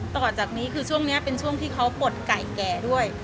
ต่อจากนี้คือช่วงนี้เป็นช่วงที่เขาปลดไก่แก่ด้วย